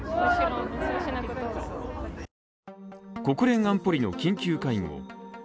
国連安保理の緊急会合。